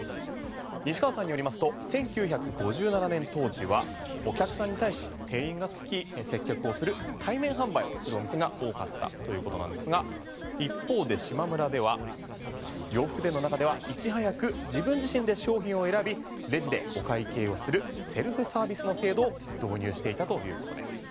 西川さんによりますと１９５７年当時はお客さんに対して店員がつき接客をする対面販売をするお店が多かったということなんですが一方でしまむらでは洋服での中ではいち早く自分自身で商品を選びレジでお会計をするセルフサービスの制度を導入していたということです。